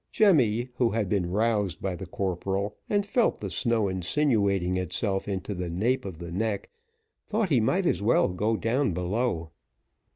Jemmy, who had been roused by the corporal, and felt the snow insinuating itself into the nape of the neck, thought he might as well go down below.